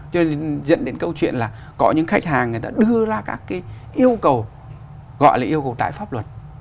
cho nên dẫn đến câu chuyện là có những khách hàng người ta đưa ra các cái yêu cầu gọi là yêu cầu trái pháp luật